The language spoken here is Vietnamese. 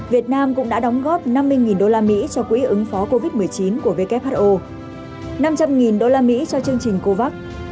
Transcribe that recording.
việt nam cũng đã đóng góp năm mươi đô la mỹ cho quỹ ứng phó covid một mươi chín của who năm trăm linh đô la mỹ cho chương trình covax